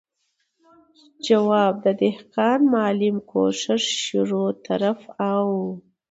جواب، دهقان، معلم، کوشش، شروع، طرف او ...